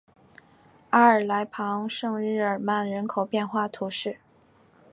阿尔来旁圣日耳曼人口变化图示